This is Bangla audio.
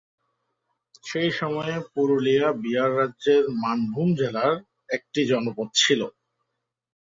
সেই সময়ে পুরুলিয়া বিহার রাজ্যের মানভূম জেলার একটি জনপদ ছিল।